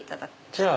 じゃあ。